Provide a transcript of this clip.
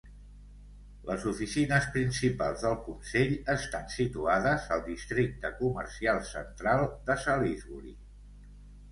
Les oficines principals del consell estan situades al districte comercial central de Salisbury.